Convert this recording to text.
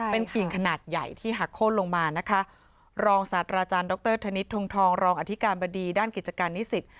เป็นกิ่งขนาดใหญ่ที่หักโค้นลงมานะคะรองศาสตราจารย์ดรธนิษฐทงทองรองอธิการบดีด้านกิจการนิสิต